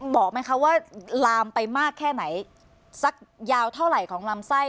บอกไหมคะว่าลามไปมากแค่ไหนสักยาวเท่าไหร่ของลำไส้